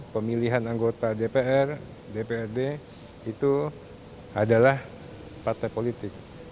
pemilihan anggota dpr dprd itu adalah partai politik